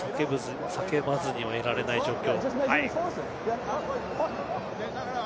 叫ばずにはいられない状況。